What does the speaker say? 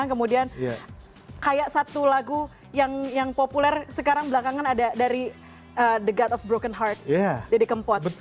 kemudian kayak satu lagu yang populer sekarang belakangan ada dari the gut of broken heart deddy kempot